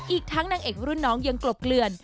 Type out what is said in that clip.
อีกทั้งนางเอกรุ่นน้องยังกลบเกลือน